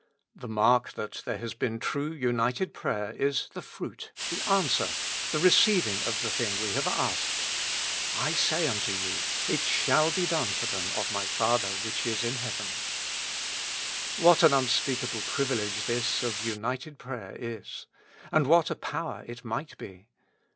The mark that there has been true united prayer is the fruit, the answer, the receiv 119 With Christ in the School of Prayer. ing of the thing we have asked :*' I say unto you, // shall be done for them of my Father which is in heaven." What an unspeakable privilege this of united prayer is, and what a power it might be.